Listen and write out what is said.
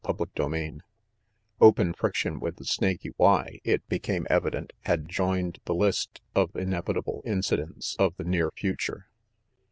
CHAPTER VIII OPEN friction with the Snaky Y, it became evident, had joined the list of inevitable incidents of the near future.